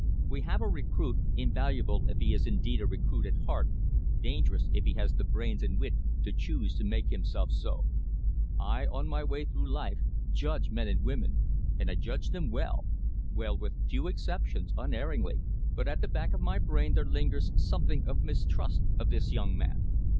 We have a recruit, invaluable if he is indeed a recruit at heart, dangerous if he has the brains and wit to choose to make himself so. I, on my way through life, judge men and women, and I judge them well, with few exceptions, unerringly, but at the back of my brain there lingers something of mistrust of this young man.